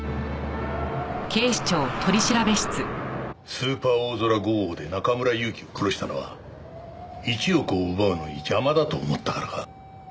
スーパーおおぞら５号で中村祐樹を殺したのは１億を奪うのに邪魔だと思ったからか？